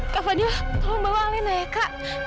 kak fadil tolong bawa alina ya kak